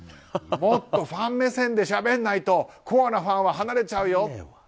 もっとファン目線でしゃべんないとコアなファンは離れちゃうよ。